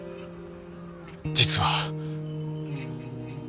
実は。